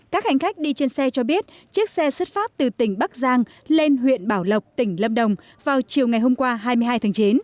các hành khách đi trên xe cho biết chiếc xe xuất phát từ tỉnh bắc giang lên huyện bảo lộc tỉnh lâm đồng vào chiều ngày hôm qua hai mươi hai tháng chín